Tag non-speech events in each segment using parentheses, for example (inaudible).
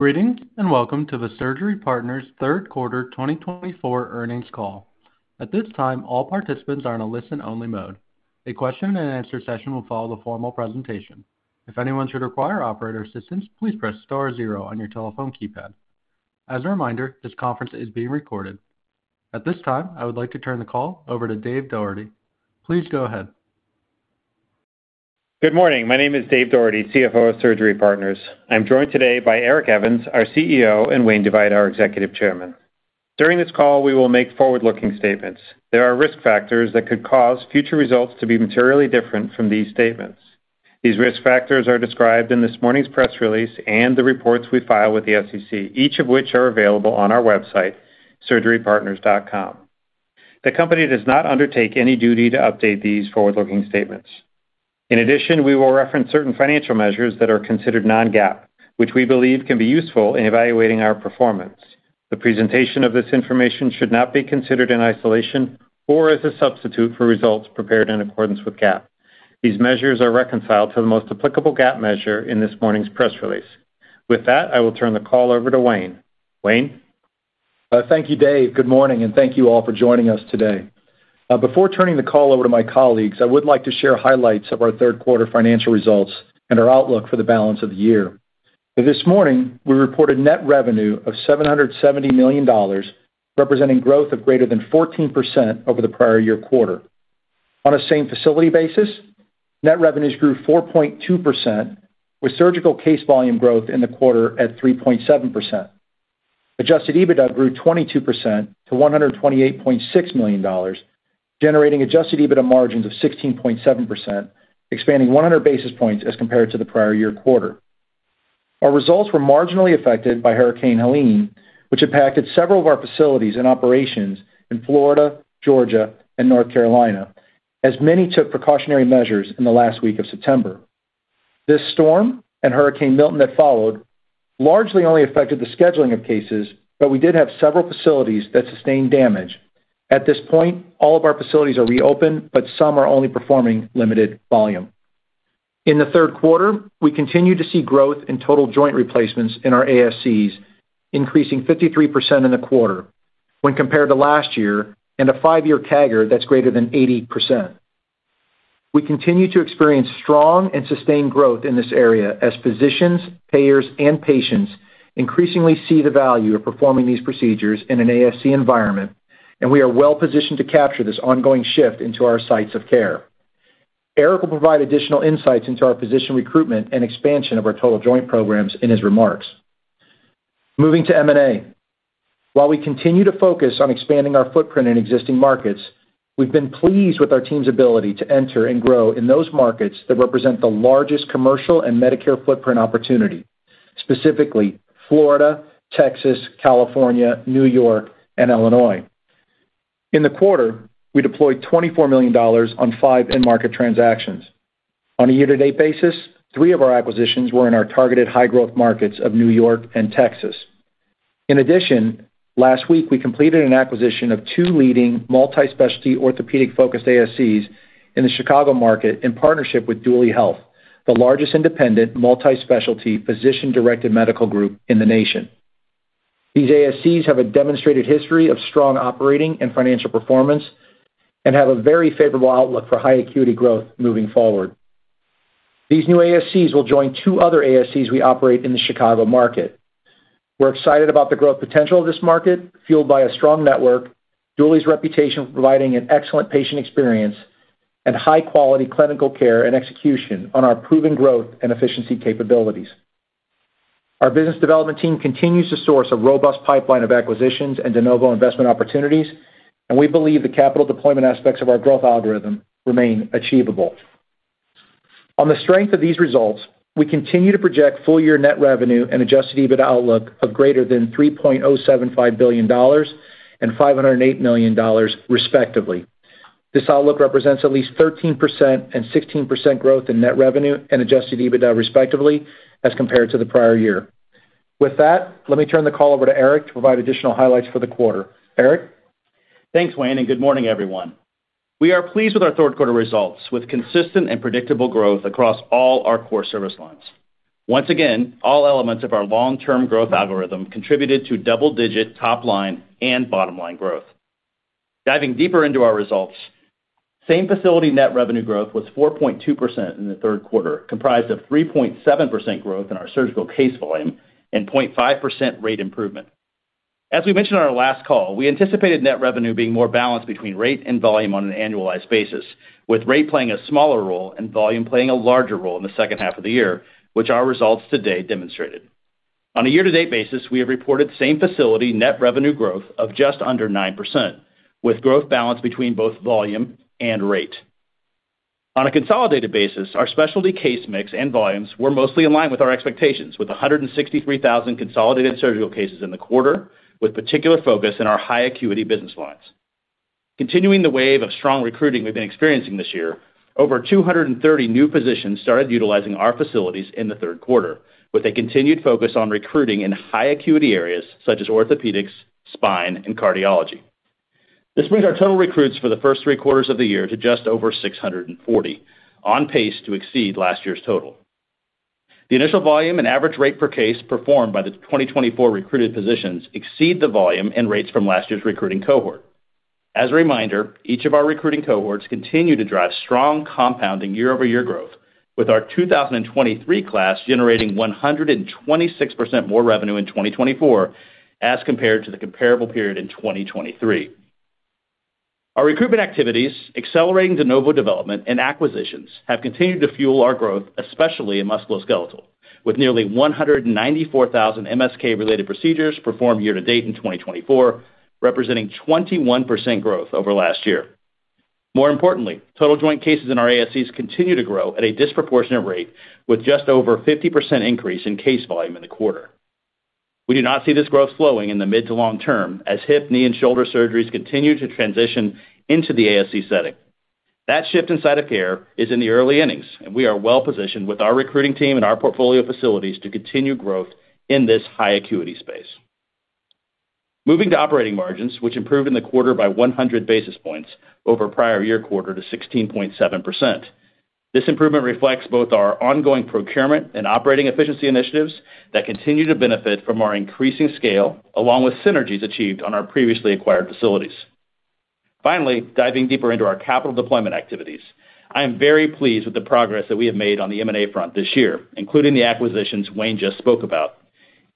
Greetings and welcome to the Surgery Partners Q3 2024 earnings call. At this time, all participants are in a listen-only mode. A question-and-answer session will follow the formal presentation. If anyone should require operator assistance, please press star zero on your telephone keypad. As a reminder, this conference is being recorded. At this time, I would like to turn the call over to Dave Doherty. Please go ahead. Good morning. My name is Dave Doherty, CFO of Surgery Partners. I'm joined today by Eric Evans, our CEO, and Wayne DeVeydt, our Executive Chairman. During this call, we will make forward-looking statements. There are risk factors that could cause future results to be materially different from these statements. These risk factors are described in this morning's press release and the reports we file with the SEC, each of which are available on our website, surgerypartners.com. The company does not undertake any duty to update these forward-looking statements. In addition, we will reference certain financial measures that are considered non-GAAP, which we believe can be useful in evaluating our performance. The presentation of this information should not be considered in isolation or as a substitute for results prepared in accordance with GAAP. These measures are reconciled to the most applicable GAAP measure in this morning's press release. With that, I will turn the call over to Wayne. Wayne. Thank you, Dave. Good morning, and thank you all for joining us today. Before turning the call over to my colleagues, I would like to share highlights of our Q3 financial results and our outlook for the balance of the year. This morning, we reported net revenue of $770 million, representing growth of greater than 14% over the prior year quarter. On a same facility basis, net revenues grew 4.2%, with surgical case volume growth in the quarter at 3.7%. Adjusted EBITDA grew 22% to $128.6 million, generating adjusted EBITDA margins of 16.7%, expanding 100 basis points as compared to the prior year quarter. Our results were marginally affected by Hurricane Helene, which impacted several of our facilities and operations in Florida, Georgia, and North Carolina, as many took precautionary measures in the last week of September. This storm and Hurricane Milton that followed largely only affected the scheduling of cases, but we did have several facilities that sustained damage. At this point, all of our facilities are reopened, but some are only performing limited volume. In the third quarter, we continue to see growth in total joint replacements in our ASCs, increasing 53% in the quarter when compared to last year and a five-year CAGR that's greater than 80%. We continue to experience strong and sustained growth in this area as physicians, payers, and patients increasingly see the value of performing these procedures in an ASC environment, and we are well positioned to capture this ongoing shift into our sites of care. Eric will provide additional insights into our physician recruitment and expansion of our total joint programs in his remarks. Moving to M&A, while we continue to focus on expanding our footprint in existing markets, we've been pleased with our team's ability to enter and grow in those markets that represent the largest commercial and Medicare footprint opportunity, specifically Florida, Texas, California, New York, and Illinois. In the quarter, we deployed $24 million on five in-market transactions. On a year-to-date basis, three of our acquisitions were in our targeted high-growth markets of New York and Texas. In addition, last week, we completed an acquisition of two leading multi-specialty orthopedic-focused ASCs in the Chicago market in partnership with Duly Health and Care, the largest independent multi-specialty physician-directed medical group in the nation. These ASCs have a demonstrated history of strong operating and financial performance and have a very favorable outlook for high acuity growth moving forward. These new ASCs will join two other ASCs we operate in the Chicago market. We're excited about the growth potential of this market, fueled by a strong network, Duly's reputation for providing an excellent patient experience, and high-quality clinical care and execution on our proven growth and efficiency capabilities. Our business development team continues to source a robust pipeline of acquisitions and de novo investment opportunities, and we believe the capital deployment aspects of our growth algorithm remain achievable. On the strength of these results, we continue to project full-year net revenue and Adjusted EBITDA outlook of greater than $3.075 billion and $508 million, respectively. This outlook represents at least 13% and 16% growth in net revenue and Adjusted EBITDA, respectively, as compared to the prior year. With that, let me turn the call over to Eric to provide additional highlights for the quarter. Eric? Thanks, Wayne, and good morning, everyone. We are pleased with our Q3 results with consistent and predictable growth across all our core service lines. Once again, all elements of our long-term growth algorithm contributed to double-digit top-line and bottom-line growth. Diving deeper into our results, same facility net revenue growth was 4.2% in the third quarter, comprised of 3.7% growth in our surgical case volume and 0.5% rate improvement. As we mentioned on our last call, we anticipated net revenue being more balanced between rate and volume on an annualized basis, with rate playing a smaller role and volume playing a larger role in the second half of the year, which our results today demonstrated. On a year-to-date basis, we have reported same facility net revenue growth of just under 9%, with growth balanced between both volume and rate. On a consolidated basis, our specialty case mix and volumes were mostly in line with our expectations, with 163,000 consolidated surgical cases in the quarter, with particular focus in our high acuity business lines. Continuing the wave of strong recruiting we've been experiencing this year, over 230 new physicians started utilizing our facilities in the Q3, with continued focus on recruiting in high acuity areas such as orthopedics, spine, and cardiology. This brings our total recruits for the first three quarters of the year to just over 640, on pace to exceed last year's total. The initial volume and average rate per case performed by the 2024 recruited physicians exceed the volume and rates from last year's recruiting cohort. As a reminder, each of our recruiting cohorts continue to drive strong compounding year-over-year growth, with our 2023 class generating 126% more revenue in 2024 as compared to the comparable period in 2023. Our recruitment activities, accelerating de novo development and acquisitions, have continued to fuel our growth, especially in musculoskeletal, with nearly 194,000 MSK-related procedures performed year-to-date in 2024, representing 21% growth over last year. More importantly, total joint cases in our ASCs continue to grow at a disproportionate rate, with just over a 50% increase in case volume in the quarter. We do not see this growth slowing in the mid to long term as hip, knee, and shoulder surgeries continue to transition into the ASC setting. That shift in site of care is in the early innings, and we are well positioned with our recruiting team and our portfolio facilities to continue growth in this high acuity space. Moving to operating margins, which improved in the quarter by 100 basis points over prior year quarter to 16.7%. This improvement reflects both our ongoing procurement and operating efficiency initiatives that continue to benefit from our increasing scale, along with synergies achieved on our previously acquired facilities. Finally, diving deeper into our capital deployment activities, I am very pleased with the progress that we have made on the M&A front this year, including the acquisitions Wayne just spoke about.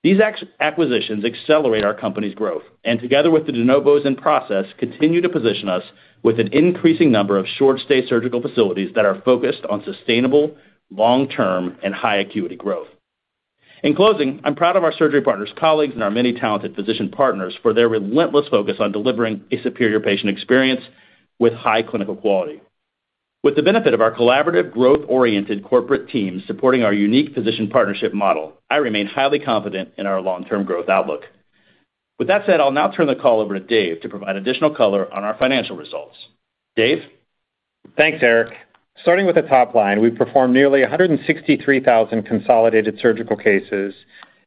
These acquisitions accelerate our company's growth, and together with the de novos in process, continue to position us with an increasing number of short-stay surgical facilities that are focused on sustainable, long-term, and high acuity growth. In closing, I'm proud of our Surgery Partners colleagues and our many talented physician partners for their relentless focus on delivering a superior patient experience with high clinical quality. With the benefit of our collaborative, growth-oriented corporate teams supporting our unique physician partnership model, I remain highly confident in our long-term growth outlook. With that said, I'll now turn the call over to Dave to provide additional color on our financial results. Dave? Thanks, Eric. Starting with the top line, we performed nearly 163,000 consolidated surgical cases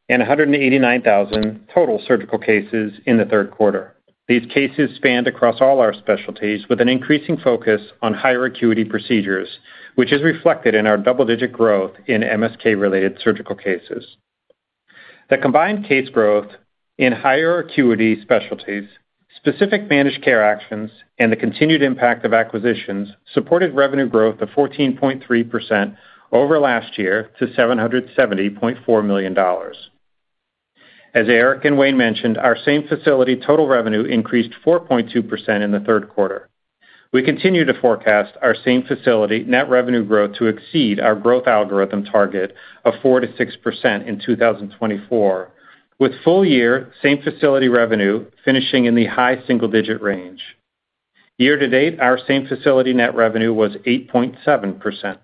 and 189,000 total surgical cases in the Q3. These cases spanned across all our specialties, with an increasing focus on higher acuity procedures, which is reflected in our double-digit growth in MSK-related surgical cases. The combined case growth in higher acuity specialties, specific managed care actions, and the continued impact of acquisitions supported revenue growth of 14.3% over last year to $770.4 million. As Eric and Wayne mentioned, our same facility total revenue increased 4.2% in the Q3. We continue to forecast our same facility net revenue growth to exceed our growth algorithm target of 4-6% in 2024, with full-year same facility revenue finishing in the high single-digit range. Year-to-date, our same facility net revenue was 8.7%.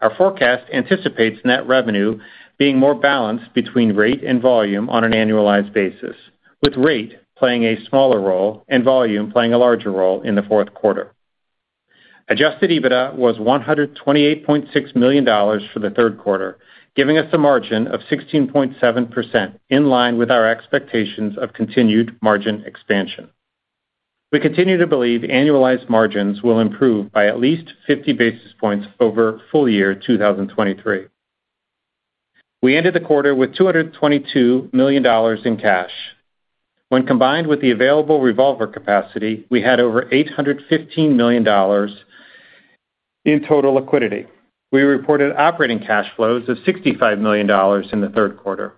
Our forecast anticipates net revenue being more balanced between rate and volume on an annualized basis, with rate playing a smaller role and volume playing a larger role in the Q4. Adjusted EBITDA was $128.6 million for the Q3, giving us a margin of 16.7% in line with our expectations of continued margin expansion. We continue to believe annualized margins will improve by at least 50 basis points over full-year 2023. We ended the quarter with $222 million in cash. When combined with the available revolver capacity, we had over $815 million in total liquidity. We reported operating cash flows of $65 million in the third quarter.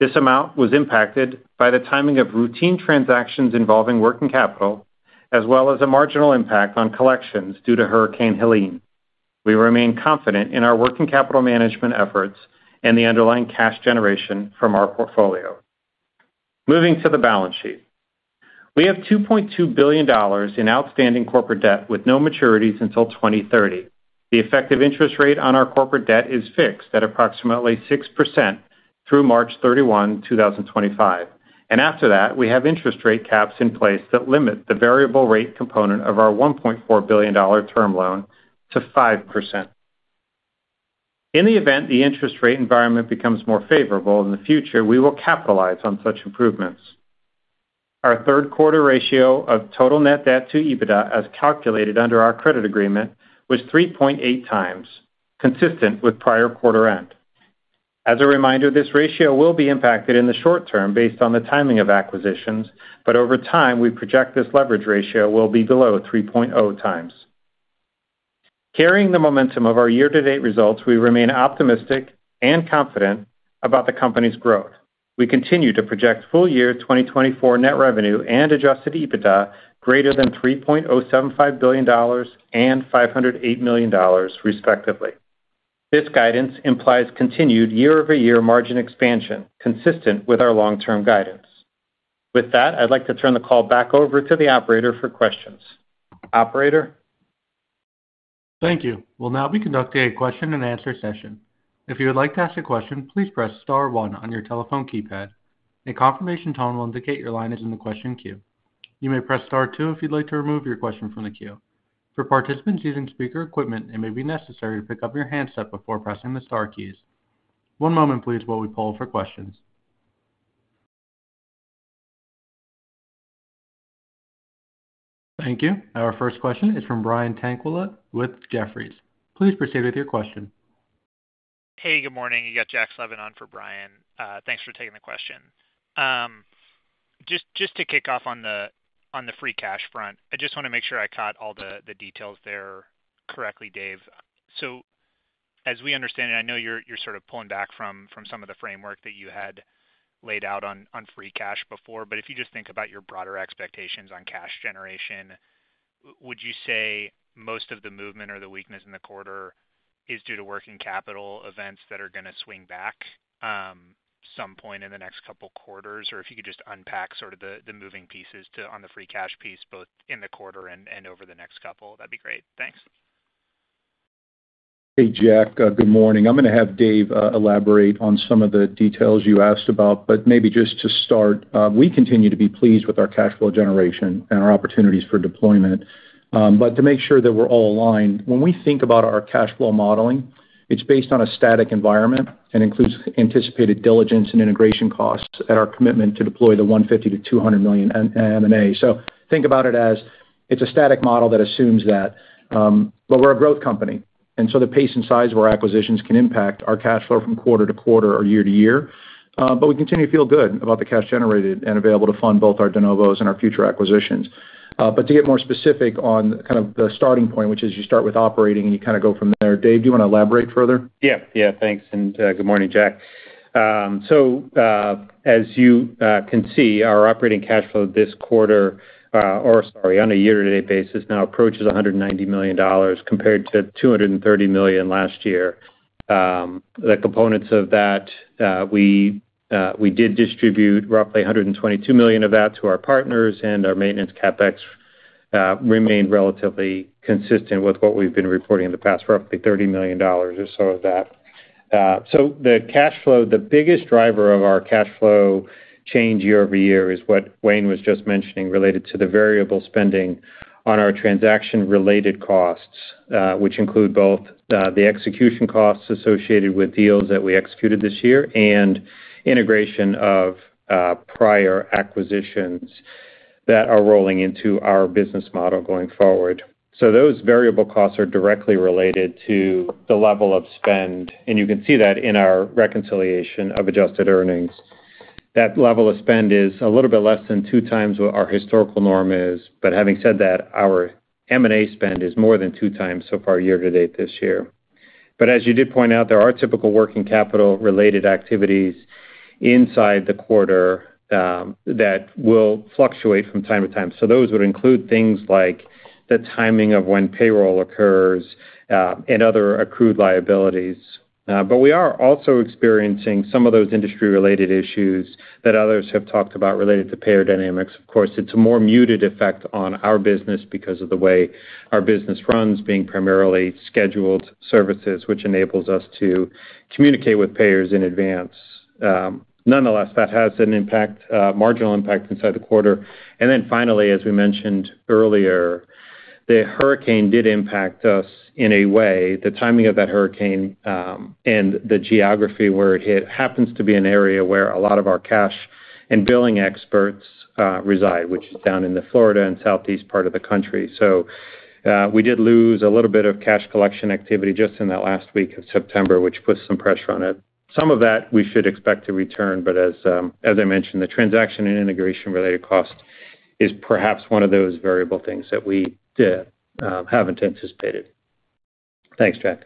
This amount was impacted by the timing of routine transactions involving working capital, as well as a marginal impact on collections due to Hurricane Helene. We remain confident in our working capital management efforts and the underlying cash generation from our portfolio. Moving to the balance sheet, we have $2.2 billion in outstanding corporate debt with no maturities until 2030. The effective interest rate on our corporate debt is fixed at approximately 6% through March 31, 2025, and after that, we have interest rate caps in place that limit the variable rate component of our $1.4 billion term loan to 5%. In the event the interest rate environment becomes more favorable in the future, we will capitalize on such improvements. Our Q3 ratio of total net debt to EBITDA, as calculated under our credit agreement, was 3.8 times, consistent with prior quarter end. As a reminder, this ratio will be impacted in the short term based on the timing of acquisitions, but over time, we project this leverage ratio will be below 3.0 times. Carrying the momentum of our year-to-date results, we remain optimistic and confident about the company's growth. We continue to project full-year 2024 net revenue and Adjusted EBITDA greater than $3.075 billion and $508 million, respectively. This guidance implies continued year-over-year margin expansion, consistent with our long-term guidance. With that, I'd like to turn the call back over to the operator for questions. Operator? Thank you. We'll now be conducting a question-and-answer session. If you would like to ask a question, please press Star one on your telephone keypad. A confirmation tone will indicate your line is in the question queue. You may press Star two if you'd like to remove your question from the queue. For participants using speaker equipment, it may be necessary to pick up your handset before pressing the Star keys. One moment, please, while we poll for questions. Thank you. Our first question is from Brian Tanquilut with Jefferies. Please proceed with your question. Hey, good morning. You got Jack Levin on for Brian. Thanks for taking the question. Just to kick off on the free cash front, I just want to make sure I caught all the details there correctly, Dave. So as we understand it, I know you're sort of pulling back from some of the framework that you had laid out on free cash before, but if you just think about your broader expectations on cash generation, would you say most of the movement or the weakness in the quarter is due to working capital events that are going to swing back some point in the next couple of quarters? Or if you could just unpack sort of the moving pieces on the free cash piece, both in the quarter and over the next couple, that'd be great. Thanks. Hey, Jack. Good morning. I'm going to have Dave elaborate on some of the details you asked about, but maybe just to start, we continue to be pleased with our cash flow generation and our opportunities for deployment. But to make sure that we're all aligned, when we think about our cash flow modeling, it's based on a static environment and includes anticipated diligence and integration costs at our commitment to deploy the $150 million-$200 million M&A. So think about it as it's a static model that assumes that, but we're a growth company. And so the pace and size of our acquisitions can impact our cash flow from quarter to quarter or year to year. But we continue to feel good about the cash generated and available to fund both our de novos and our future acquisitions. But to get more specific on kind of the starting point, which is you start with operating and you kind of go from there, Dave, do you want to elaborate further? Yeah. Yeah. Thanks. And good morning, Jack. So as you can see, our operating cash flow this quarter, or sorry, on a year-to-date basis, now approaches $190 million compared to $230 million last year. The components of that, we did distribute roughly $122 million of that to our partners, and our maintenance CapEx remained relatively consistent with what we've been reporting in the past, roughly $30 million or so of that. So the cash flow, the biggest driver of our cash flow change year-over-year is what Wayne was just mentioning related to the variable spending on our transaction-related costs, which include both the execution costs associated with deals that we executed this year and integration of prior acquisitions that are rolling into our business model going forward. So those variable costs are directly related to the level of spend. And you can see that in our reconciliation of adjusted earnings. That level of spend is a little bit less than two times what our historical norm is. But having said that, our M&A spend is more than two times so far year-to-date this year. But as you did point out, there are typical working capital-related activities inside the quarter that will fluctuate from time to time. So those would include things like the timing of when payroll occurs and other accrued liabilities. But we are also experiencing some of those industry-related issues that others have talked about related to payer dynamics. Of course, it's a more muted effect on our business because of the way our business runs, being primarily scheduled services, which enables us to communicate with payers in advance. Nonetheless, that has an impact, marginal impact inside the quarter. And then finally, as we mentioned earlier, the hurricane did impact us in a way. The timing of that hurricane and the geography where it hit happens to be an area where a lot of our cash and billing experts reside, which is down in the Florida and southeast part of the country. So we did lose a little bit of cash collection activity just in that last week of September, which puts some pressure on it. Some of that we should expect to return, but as I mentioned, the transaction and integration-related cost is perhaps one of those variable things that we have anticipated. Thanks, Jack.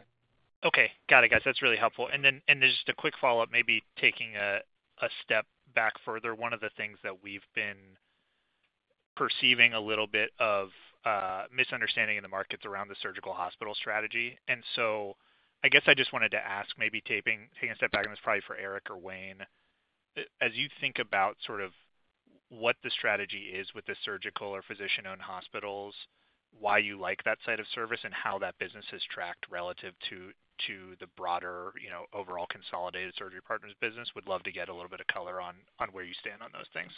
Okay. Got it, guys. That's really helpful. And then just a quick follow-up, maybe taking a step back further, one of the things that we've been perceiving a little bit of misunderstanding in the markets around the surgical hospital strategy. And so I guess I just wanted to ask, maybe taking a step back, and this is probably for Eric or Wayne, as you think about sort of what the strategy is with the surgical or physician-owned hospitals, why you like that side of service, and how that business has tracked relative to the broader overall consolidated Surgery Partners business, would love to get a little bit of color on where you stand on those things.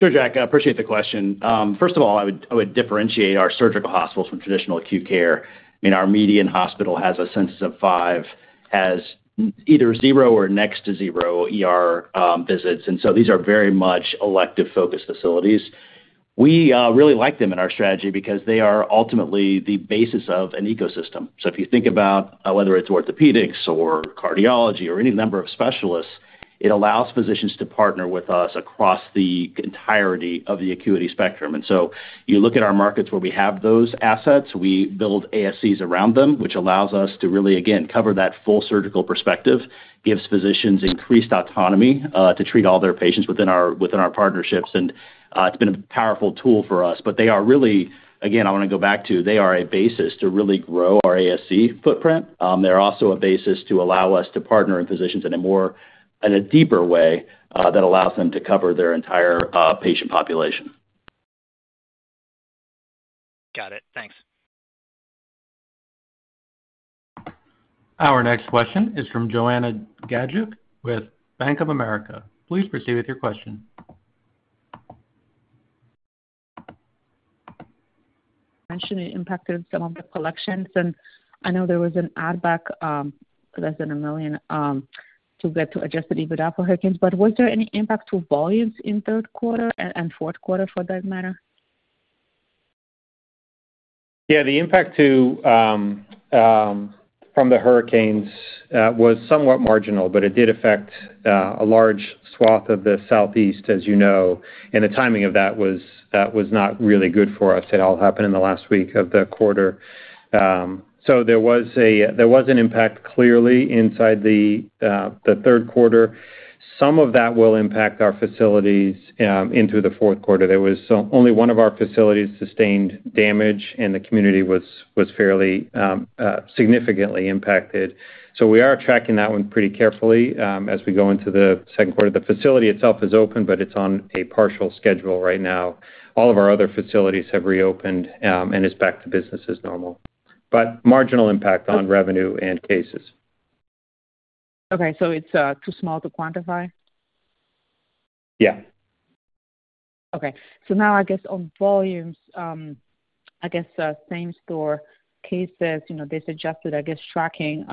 Sure, Jack. I appreciate the question. First of all, I would differentiate our surgical hospitals from traditional acute care. I mean, our median hospital has a census of five, has either zero or next to zero visits. And so these are very much elective-focused facilities. We really like them in our strategy because they are ultimately the basis of an ecosystem. So if you think about whether it's orthopedics or cardiology or any number of specialists, it allows physicians to partner with us across the entirety of the acuity spectrum. And so you look at our markets where we have those assets, we build ASCs around them, which allows us to really, again, cover that full surgical perspective, gives physicians increased autonomy to treat all their patients within our partnerships. And it's been a powerful tool for us. But they are really, again, I want to go back to, they are a basis to really grow our ASC footprint. They're also a basis to allow us to partner with physicians in a deeper way that allows them to cover their entire patient population. Got it. Thanks. Our next question is from Joanna Gajuk with Bank of America. Please proceed with your question. Mentioned the impact of some of the collections. And I know there was an add-back less than $1 million to get to Adjusted EBITDA for hurricanes. But was there any impact to volumes in Q3 and Q4, for that matter? Yeah. The impact from the hurricanes was somewhat marginal, but it did affect a large swath of the southeast, as you know. And the timing of that was not really good for us. It all happened in the last week of the quarter. So there was an impact clearly inside the Q3. Some of that will impact our facilities into the Q3 There was only one of our facilities sustained damage, and the community was fairly significantly impacted. So we are tracking that one pretty carefully as we go into the (inaudible) the facility itself is open, but it's on a partial schedule right now. All of our other facilities have reopened, and it's back to business as normal. But marginal impact on revenue and cases. Okay. So it's too small to quantify? Yeah. Okay. So now, I guess, on volumes, I guess, same store cases, there's adjusted, I guess, tracking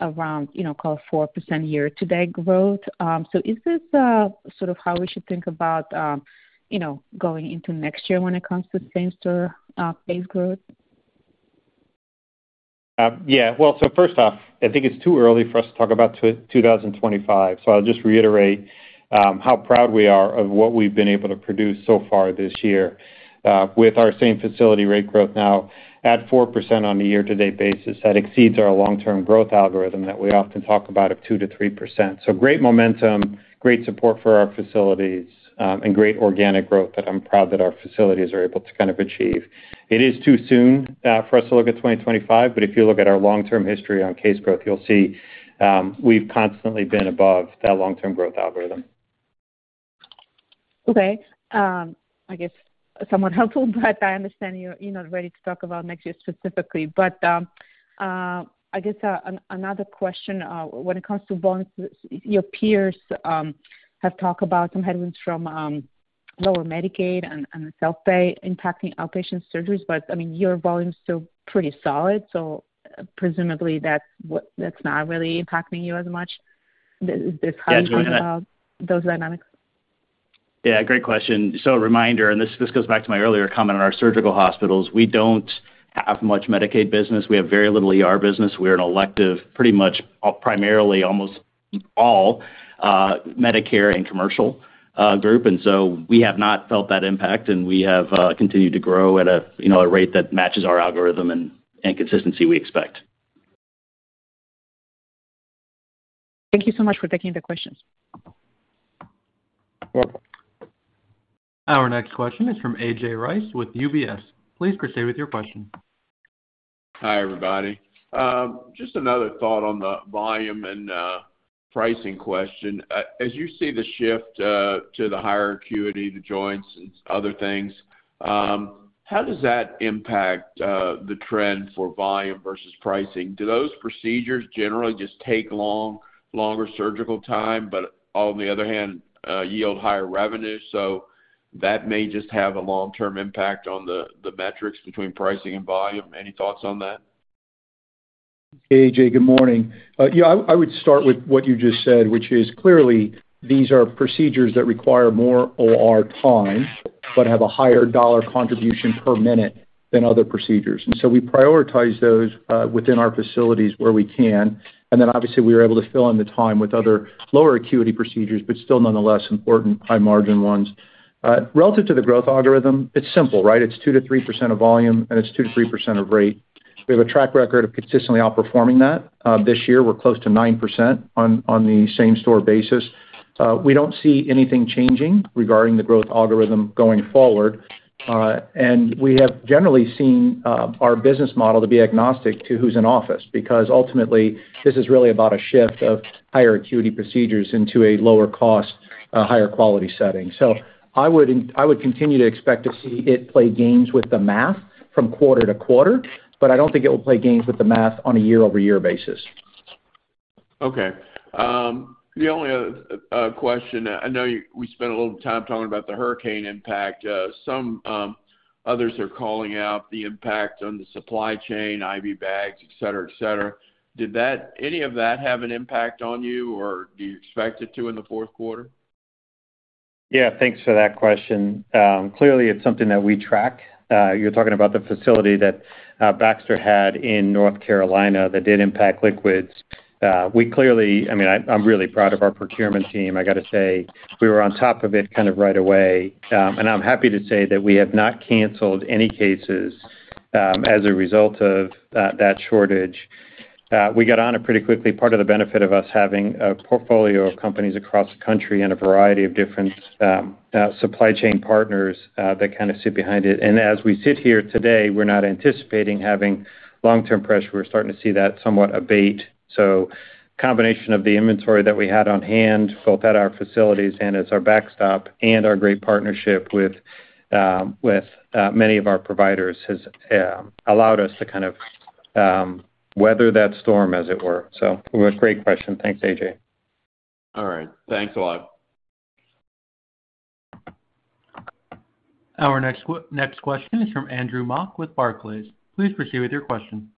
around, call it, 4% year-to-date growth. Is this sort of how we should think about going into next year when it comes to same store case growth? Yeah, well, so first off, I think it's too early for us to talk about 2025, so I'll just reiterate how proud we are of what we've been able to produce so far this year with our same facility rate growth now at 4% on a year-to-date basis. That exceeds our long-term growth algorithm that we often talk about of 2%-3%, so great momentum, great support for our facilities, and great organic growth that I'm proud that our facilities are able to kind of achieve. It is too soon for us to look at 2025, but if you look at our long-term history on case growth, you'll see we've constantly been above that long-term growth algorithm. Okay. I guess somewhat helpful, but I understand you're not ready to talk about next year specifically. But I guess another question, when it comes to volumes, your peers have talked about some headwinds from lower Medicaid and self-pay impacting outpatient surgeries. But I mean, your volume is still pretty solid. So presumably, that's not really impacting you as much. Is this hiding those dynamics? Yeah. Great question. So a reminder, and this goes back to my earlier comment on our surgical hospitals. We don't have much Medicaid business. We have very little business. We're an elective, pretty much primarily, almost all Medicare and commercial group. And so we have not felt that impact, and we have continued to grow at a rate that matches our algorithm and consistency we expect. Thank you so much for taking the questions. Our next question is from A.J. Rice with UBS. Please proceed with your question. Hi, everybody. Just another thought on the volume and pricing question. As you see the shift to the higher acuity, the joints, and other things, how does that impact the trend for volume versus pricing? Do those procedures generally just take longer surgical time, but on the other hand, yield higher revenue? So that may just have a long-term impact on the metrics between pricing and volume. Any thoughts on that? A.J., good morning. Yeah, I would start with what you just said, which is clearly these are procedures that require more OR time but have a higher dollar contribution per minute than other procedures, and so we prioritize those within our facilities where we can, and then, obviously, we were able to fill in the time with other lower acuity procedures, but still nonetheless important high-margin ones. Relative to the growth algorithm, it's simple, right? It's 2-3% of volume, and it's 2-3% of rate. We have a track record of consistently outperforming that. This year, we're close to 9% on the same store basis. We don't see anything changing regarding the growth algorithm going forward. And we have generally seen our business model to be agnostic to who's in office because, ultimately, this is really about a shift of higher acuity procedures into a lower-cost, higher-quality setting. So I would continue to expect to see it play games with the math from quarter to quarter, but I don't think it will play games with the math on a year-over-year basis. Okay. The only other question, I know we spent a little time talking about the hurricane impact. Some others are calling out the impact on the supply chain, IV bags, etc., etc. Did any of that have an impact on you, or do you expect it to in the Q4? Yeah. Thanks for that question. Clearly, it's something that we track. You're talking about the facility that Baxter had in North Carolina that did impact liquids. I mean, I'm really proud of our procurement team. I got to say, we were on top of it kind of right away, and I'm happy to say that we have not canceled any cases as a result of that shortage. We got on it pretty quickly. Part of the benefit of us having a portfolio of companies across the country and a variety of different supply chain partners that kind of sit behind it, and as we sit here today, we're not anticipating having long-term pressure. We're starting to see that somewhat abate. So a combination of the inventory that we had on hand, both at our facilities and as our backstop, and our great partnership with many of our providers has allowed us to kind of weather that storm, as it were. So it was a great question. Thanks, A.J. All right. Thanks a lot. Our next question is from Andrew Mok with Barclays. Please proceed with your question.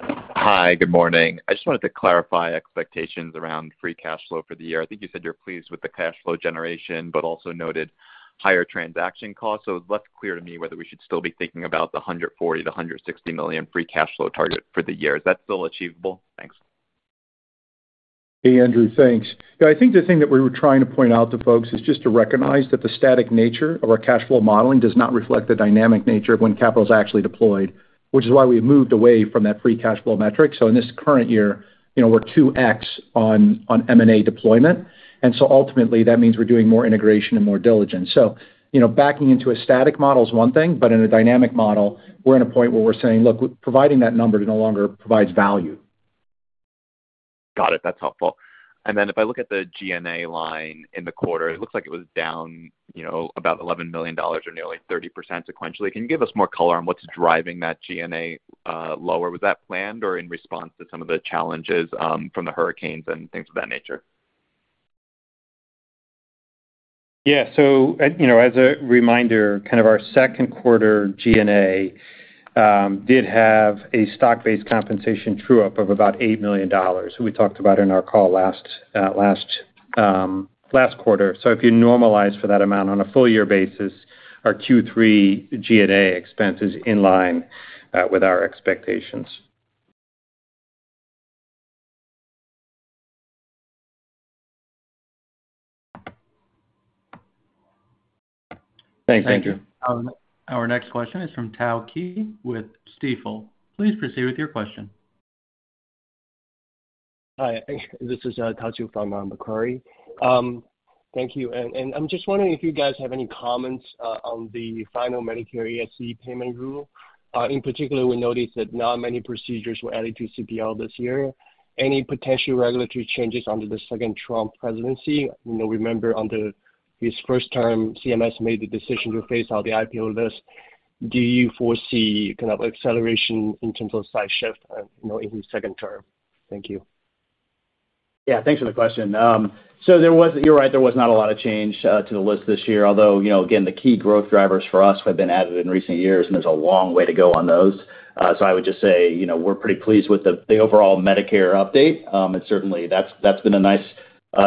Hi. Good morning. I just wanted to clarify expectations around free cash flow for the year. I think you said you're pleased with the cash flow generation, but also noted higher transaction costs. So it's less clear to me whether we should still be thinking about the $140 million-$160 million free cash flow target for the year. Is that still achievable? Thanks. Hey, Andrew. Thanks. Yeah, I think the thing that we were trying to point out to folks is just to recognize that the static nature of our cash flow modeling does not reflect the dynamic nature of when capital is actually deployed, which is why we have moved away from that free cash flow metric. So in this current year, we're 2x on M&A deployment. And so ultimately, that means we're doing more integration and more diligence. So backing into a static model is one thing, but in a dynamic model, we're at a point where we're saying, "Look, providing that number no longer provides value. Got it. That's helpful. And then if I look at the G&A line in the quarter, it looks like it was down about $11 million or nearly 30% sequentially. Can you give us more color on what's driving that G&A lower? Was that planned or in response to some of the challenges from the hurricanes and things of that nature? Yeah. So as a reminder, kind of our second quarter G&A did have a stock-based compensation true-up of about $8 million. We talked about it in our call last quarter. So if you normalize for that amount on a full-year basis, our Q3 G&A expense is in line with our expectations. Thanks, Andrew. Thank you. Our next question is from Tao Qiu with Macquarie. Please proceed with your question. Hi. This is Tao Qiu on Macquarie. Thank you. I'm just wondering if you guys have any comments on the final Medicare ASC payment rule. In particular, we noticed that not many procedures were added to CPL this year. Any potential regulatory changes under the second Trump presidency? Remember, under his first term, CMS made the decision to phase out the IPO list. Do you foresee kind of acceleration in terms of site shift in his second term? Thank you. Yeah. Thanks for the question. So you're right. There was not a lot of change to the list this year. Although, again, the key growth drivers for us have been added in recent years, and there's a long way to go on those. So I would just say we're pretty pleased with the overall Medicare update. And certainly, that's been a nice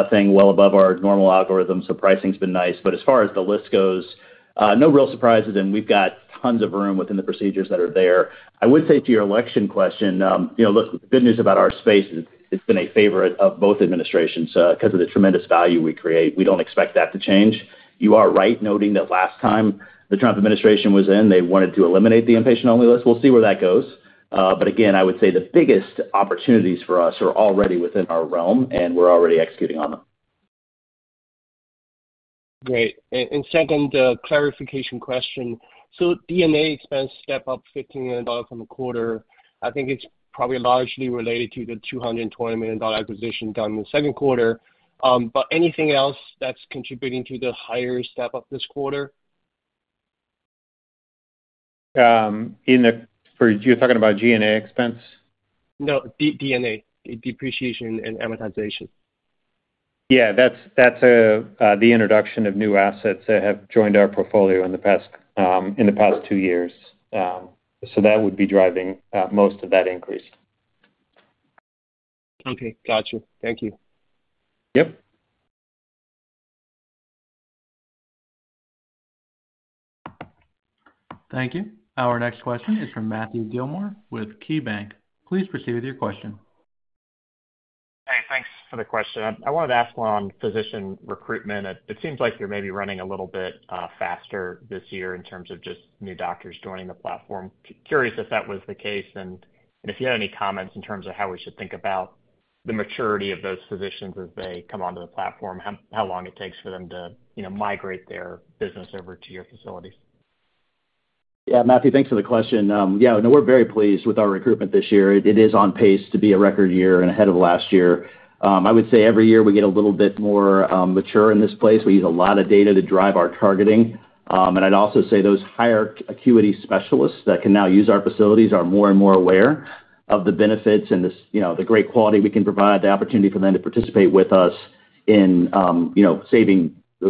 thing well above our normal algorithm. So pricing's been nice. But as far as the list goes, no real surprises. And we've got tons of room within the procedures that are there. I would say to your election question, look, the good news about our space is it's been a favorite of both administrations because of the tremendous value we create. We don't expect that to change. You are right noting that last time the Trump administration was in, they wanted to eliminate the inpatient-only list. We'll see where that goes. But again, I would say the biggest opportunities for us are already within our realm, and we're already executing on them. Great. And second, the clarification question. So de novo expense step-up $15 million on the quarter, I think it's probably largely related to the $220 million acquisition done in the Q2. But anything else that's contributing to the higher step-up this quarter? You're talking about D&A expense? No. D&A, depreciation and amortization. Yeah. That's the introduction of new assets that have joined our portfolio in the past two years. So that would be driving most of that increase. Okay. Gotcha. Thank you. Yep. Thank you. Our next question is from Matthew Gillmor with KeyBanc. Please proceed with your question. Hey, thanks for the question. I wanted to ask one on physician recruitment. It seems like you're maybe running a little bit faster this year in terms of just new doctors joining the platform. Curious if that was the case and if you had any comments in terms of how we should think about the maturity of those physicians as they come onto the platform, how long it takes for them to migrate their business over to your facilities? Yeah. Matthew, thanks for the question. Yeah. No, we're very pleased with our recruitment this year. It is on pace to be a record year and ahead of last year. I would say every year we get a little bit more mature in this place. We use a lot of data to drive our targeting. And I'd also say those higher acuity specialists that can now use our facilities are more and more aware of the benefits and the great quality we can provide, the opportunity for them to participate with us in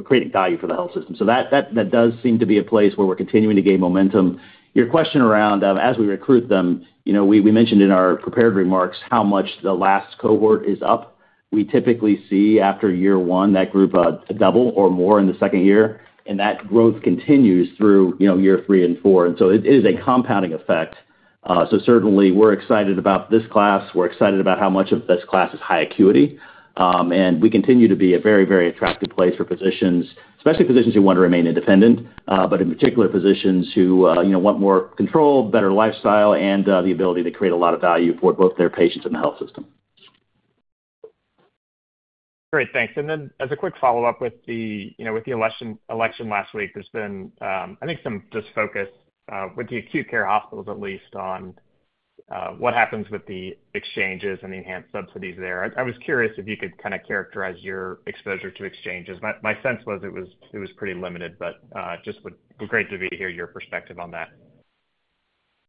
creating value for the health system. So that does seem to be a place where we're continuing to gain momentum. Your question around as we recruit them, we mentioned in our prepared remarks how much the last cohort is up. We typically see after year one that group double or more in the second year, and that growth continues through year three and four, and so it is a compounding effect, so certainly, we're excited about this class. We're excited about how much of this class is high acuity, and we continue to be a very, very attractive place for physicians, especially physicians who want to remain independent, but in particular, physicians who want more control, better lifestyle, and the ability to create a lot of value for both their patients and the health system. Great. Thanks. And then as a quick follow-up with the election last week, there's been, I think, some disfocus with the acute care hospitals, at least, on what happens with the exchanges and the enhanced subsidies there. I was curious if you could kind of characterize your exposure to exchanges. My sense was it was pretty limited, but just would be great to hear your perspective on that.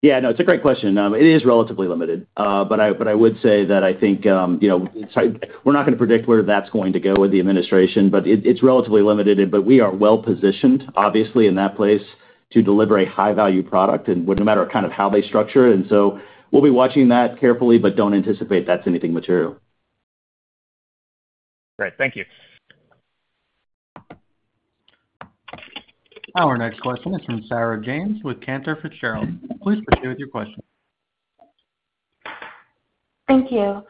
Yeah. No, it's a great question. It is relatively limited. But I would say that I think we're not going to predict where that's going to go with the administration, but it's relatively limited. But we are well-positioned, obviously, in that place to deliver a high-value product no matter kind of how they structure it. And so we'll be watching that carefully, but don't anticipate that's anything material. Great. Thank you. Our next question is from Sarah James with Cantor Fitzgerald. Please proceed with your question. Thank you.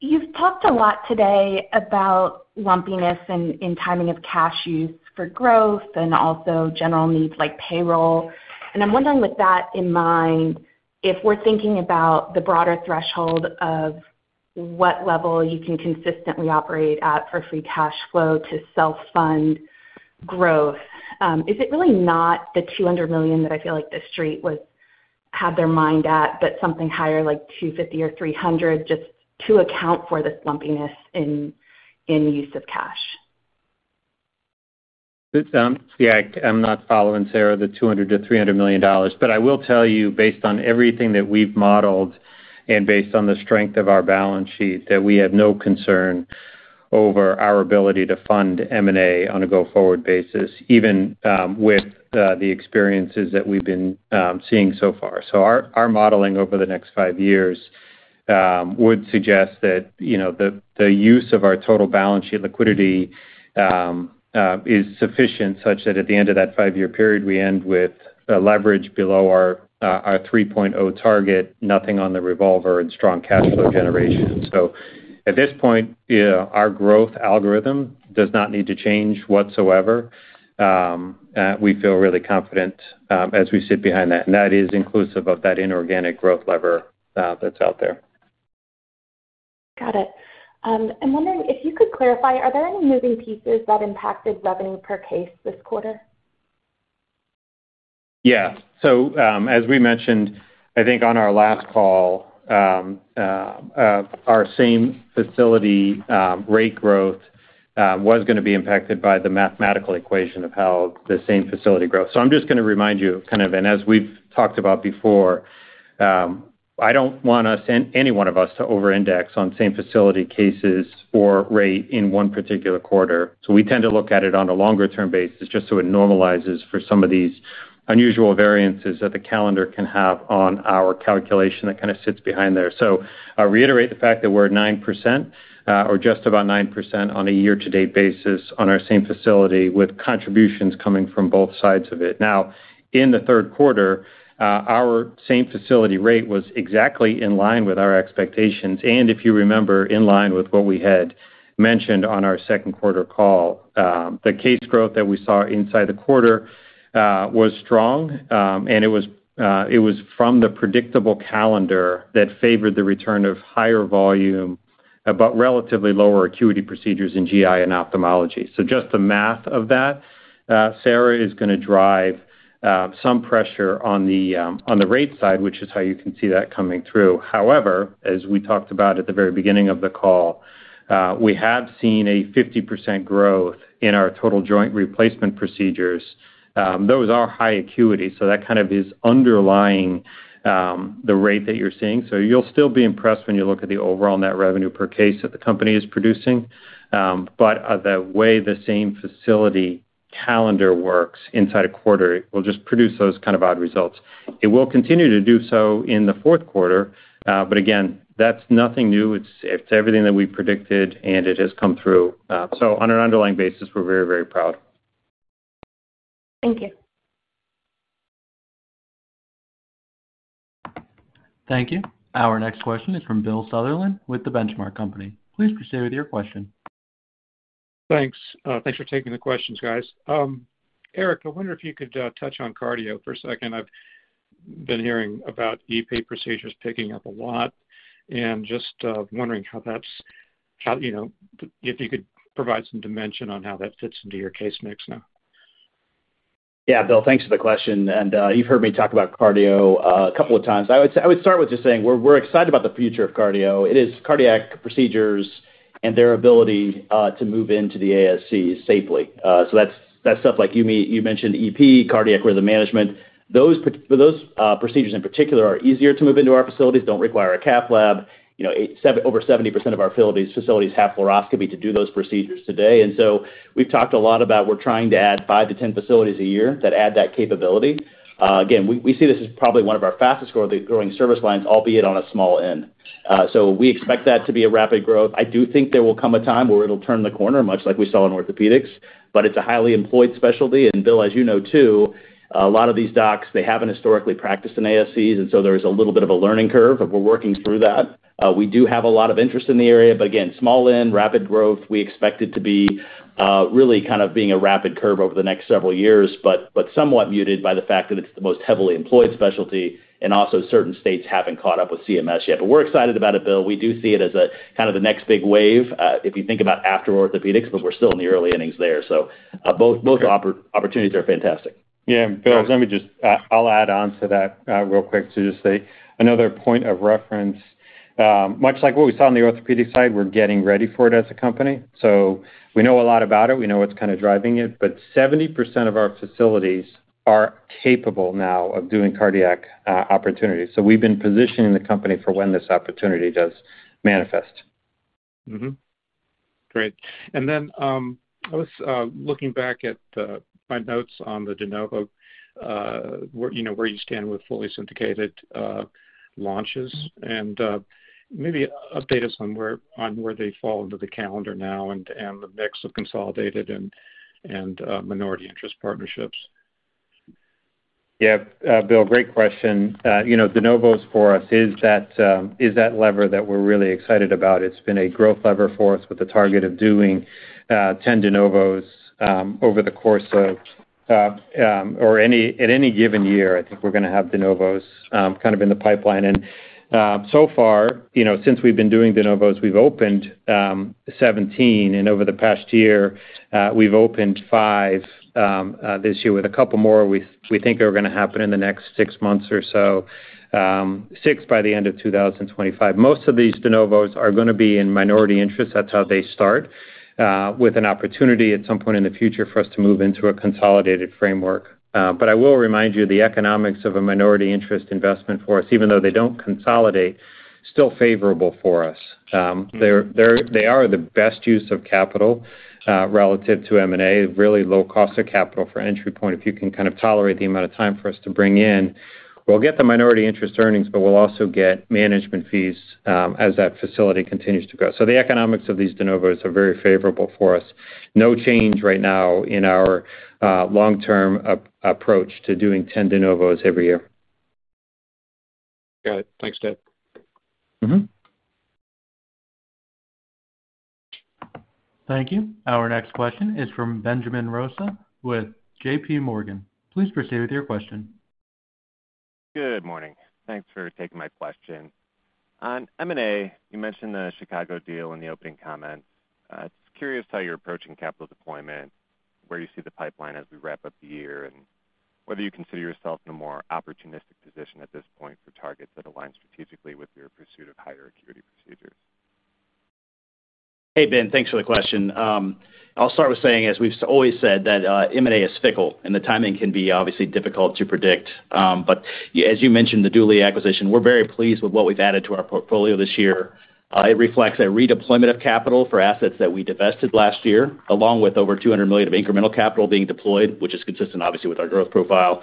You've talked a lot today about lumpiness in timing of cash use for growth and also general needs like payroll. And I'm wondering, with that in mind, if we're thinking about the broader threshold of what level you can consistently operate at for free cash flow to self-fund growth, is it really not the $200 million that I feel like the street had their mind at, but something higher like $250 or $300 just to account for this lumpiness in use of cash? Yeah. I'm not following, Sarah, the $200-$300 million. But I will tell you, based on everything that we've modeled and based on the strength of our balance sheet, that we have no concern over our ability to fund M&A on a go-forward basis, even with the experiences that we've been seeing so far. So our modeling over the next five years would suggest that the use of our total balance sheet liquidity is sufficient such that at the end of that five-year period, we end with a leverage below our 3.0 target, nothing on the revolver, and strong cash flow generation. So at this point, our growth algorithm does not need to change whatsoever. We feel really confident as we sit behind that. And that is inclusive of that inorganic growth lever that's out there. Got it. I'm wondering if you could clarify, are there any moving pieces that impacted revenue per case this quarter? Yeah. So as we mentioned, I think on our last call, our same facility rate growth was going to be impacted by the mathematical equation of how the same facility grows. So I'm just going to remind you kind of, and as we've talked about before, I don't want any one of us to over-index on same facility cases or rate in one particular quarter. So we tend to look at it on a longer-term basis just so it normalizes for some of these unusual variances that the calendar can have on our calculation that kind of sits behind there. So I reiterate the fact that we're at 9% or just about 9% on a year-to-date basis on our same facility with contributions coming from both sides of it. Now, in the third quarter, our same facility rate was exactly in line with our expectations. And if you remember, in line with what we had mentioned on our second quarter call, the case growth that we saw inside the quarter was strong. And it was from the predictable calendar that favored the return of higher volume but relatively lower acuity procedures in GI and ophthalmology. So just the math of that, Sarah, is going to drive some pressure on the rate side, which is how you can see that coming through. However, as we talked about at the very beginning of the call, we have seen a 50% growth in our total joint replacement procedures. Those are high acuity. So that kind of is underlying the rate that you're seeing. So you'll still be impressed when you look at the overall net revenue per case that the company is producing. But the way the same facility calendar works inside a quarter, it will just produce those kind of odd results. It will continue to do so in the Q4. But again, that's nothing new. It's everything that we predicted, and it has come through. So on an underlying basis, we're very, very proud. Thank you. Thank you. Our next question is from Bill Sutherland with The Benchmark Company. Please proceed with your question. Thanks. Thanks for taking the questions, guys. Eric, I wonder if you could touch on cardio for a second. I've been hearing about EP procedures picking up a lot. And just wondering how that is, if you could provide some dimension on how that fits into your case mix now. Yeah. Bill, thanks for the question, and you've heard me talk about cardio a couple of times. I would start with just saying we're excited about the future of cardio. It is cardiac procedures and their ability to move into the ASC safely, so that's stuff like you mentioned, EP, cardiac rhythm management. Those procedures in particular are easier to move into our facilities, don't require a cath lab. Over 70% of our facilities have fluoroscopy to do those procedures today, and so we've talked a lot about we're trying to add five to 10 facilities a year that add that capability. Again, we see this as probably one of our fastest growing service lines, albeit on a small end. We expect that to be a rapid growth. I do think there will come a time where it'll turn the corner, much like we saw in orthopedics. But it's a highly employed specialty. And Bill, as you know, too, a lot of these docs, they haven't historically practiced in ASCs. And so there is a little bit of a learning curve. We're working through that. We do have a lot of interest in the area. But again, small end, rapid growth. We expect it to be really kind of being a rapid curve over the next several years, but somewhat muted by the fact that it's the most heavily employed specialty. And also, certain states haven't caught up with CMS yet. But we're excited about it, Bill. We do see it as kind of the next big wave if you think about after orthopedics, but we're still in the early innings there. So both opportunities are fantastic. Yeah. Bill, let me just, I'll add on to that real quick to just say another point of reference. Much like what we saw on the orthopedic side, we're getting ready for it as a company. So we know a lot about it. We know what's kind of driving it. But 70% of our facilities are capable now of doing cardiac opportunities. So we've been positioning the company for when this opportunity does manifest. Great. And then I was looking back at my notes on the de novo, where you stand with fully syndicated launches, and maybe update us on where they fall into the calendar now and the mix of consolidated and minority interest partnerships. Yeah. Bill, great question. De novos for us is that lever that we're really excited about. It's been a growth lever for us with a target of doing 10 de novos over the course of or at any given year. I think we're going to have de novos kind of in the pipeline, and so far, since we've been doing de novos, we've opened 17. Over the past year, we've opened five this year with a couple more we think are going to happen in the next six months or so, six by the end of 2025. Most of these de novos are going to be in minority interest. That's how they start, with an opportunity at some point in the future for us to move into a consolidated framework. But I will remind you, the economics of a minority interest investment for us, even though they don't consolidate, is still favorable for us. They are the best use of capital relative to M&A, really low cost of capital for entry point. If you can kind of tolerate the amount of time for us to bring in, we'll get the minority interest earnings, but we'll also get management fees as that facility continues to grow. So the economics of these de novos are very favorable for us. No change right now in our long-term approach to doing 10 de novos every year. Got it. Thanks, Dave. Thank you. Our next question is from Benjamin Rossi with JPMorgan. Please proceed with your question. Good morning. Thanks for taking my question. On M&A, you mentioned the Chicago deal in the opening comments. I'm curious how you're approaching capital deployment, where you see the pipeline as we wrap up the year, and whether you consider yourself in a more opportunistic position at this point for targets that align strategically with your pursuit of higher acuity procedures. Hey, Ben. Thanks for the question. I'll start with saying, as we've always said, that M&A is fickle, and the timing can be obviously difficult to predict. But as you mentioned, the Duly acquisition, we're very pleased with what we've added to our portfolio this year. It reflects a redeployment of capital for assets that we divested last year, along with over $200 million of incremental capital being deployed, which is consistent, obviously, with our growth profile.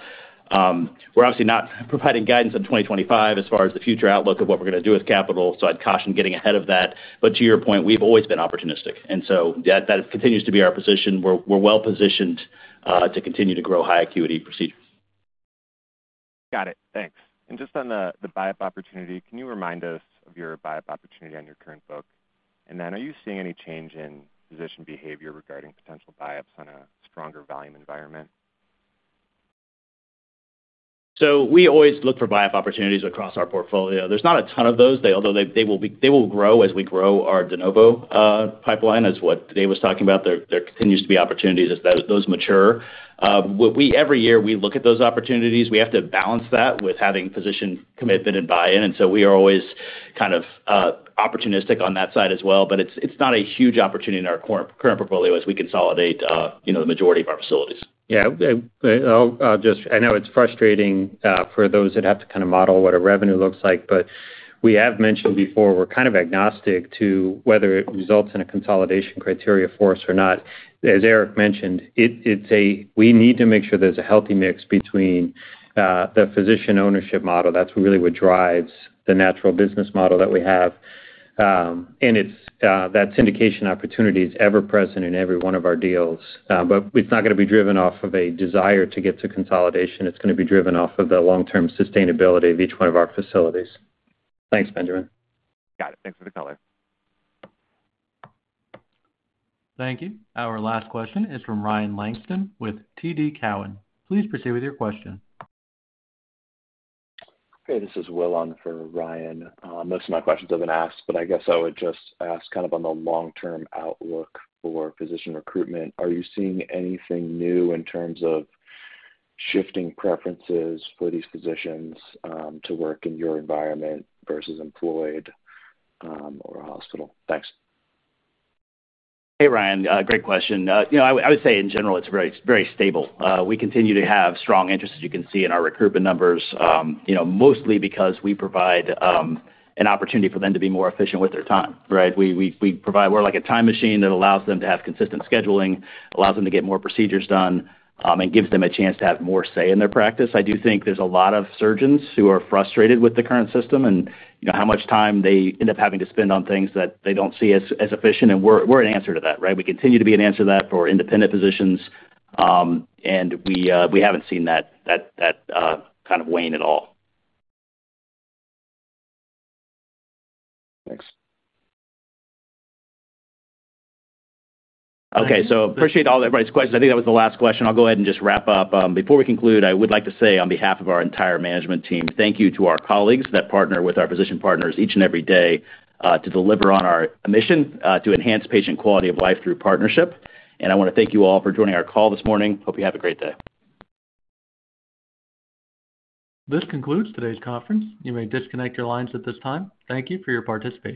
We're obviously not providing guidance on 2025 as far as the future outlook of what we're going to do with capital. So I'd caution getting ahead of that. But to your point, we've always been opportunistic. And so that continues to be our position. We're well-positioned to continue to grow high acuity procedures. Got it. Thanks. And just on the buy-up opportunity, can you remind us of your buy-up opportunity on your current book? And then are you seeing any change in position behavior regarding potential buy-ups on a stronger volume environment? So we always look for buy-up opportunities across our portfolio. There's not a ton of those, although they will grow as we grow our de novo pipeline, is what Dave was talking about. There continues to be opportunities as those mature. Every year, we look at those opportunities. We have to balance that with having position commitment and buy-in. And so we are always kind of opportunistic on that side as well. But it's not a huge opportunity in our current portfolio as we consolidate the majority of our facilities. Yeah. I know it's frustrating for those that have to kind of model what a revenue looks like. But we have mentioned before we're kind of agnostic to whether it results in a consolidation criteria for us or not. As Eric mentioned, we need to make sure there's a healthy mix between the physician ownership model. That's really what drives the natural business model that we have. And that syndication opportunity is ever-present in every one of our deals. But it's not going to be driven off of a desire to get to consolidation. It's going to be driven off of the long-term sustainability of each one of our facilities. Thanks, Benjamin. Got it. Thanks for the color. Thank you. Our last question is from Ryan Langston with TD Cowen. Please proceed with your question. Hey, this is Will on for Ryan. Most of my questions have been asked, but I guess I would just ask kind of on the long-term outlook for physician recruitment. Are you seeing anything new in terms of shifting preferences for these physicians to work in your environment versus employed or a hospital? Thanks. Hey, Ryan. Great question. I would say, in general, it's very stable. We continue to have strong interest, as you can see, in our recruitment numbers, mostly because we provide an opportunity for them to be more efficient with their time, right? We're like a time machine that allows them to have consistent scheduling, allows them to get more procedures done, and gives them a chance to have more say in their practice. I do think there's a lot of surgeons who are frustrated with the current system and how much time they end up having to spend on things that they don't see as efficient. And we're an answer to that, right? We continue to be an answer to that for independent physicians. And we haven't seen that kind of wane at all. Thanks. Okay. So appreciate all everybody's questions. I think that was the last question. I'll go ahead and just wrap up. Before we conclude, I would like to say on behalf of our entire management team, thank you to our colleagues that partner with our physician partners each and every day to deliver on our mission to enhance patient quality of life through partnership. And I want to thank you all for joining our call this morning. Hope you have a great day. This concludes today's conference. You may disconnect your lines at this time. Thank you for your participation.